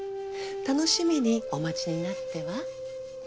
楽しみにお待ちになっては？